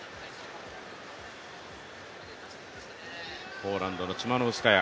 ポーランドのチマノウスカヤ